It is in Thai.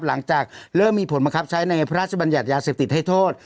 หลังจากเริ่มมีผลบังคับใช้ในพระราชบัญญัติยาเสพติดให้โทษ